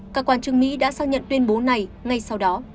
các quan chức mỹ đã xác nhận tuyên bố này ngay sau đó